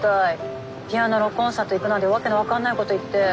ピアノのコンサート行くなんて訳の分かんないこと言って。